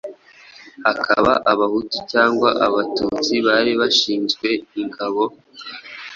bakaba abahutu cyangwa abatutsi, bari bashinzwe ingabo,